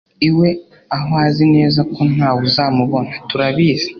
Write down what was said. iwe aho azi neza ko ntawe uzamubona. turabizi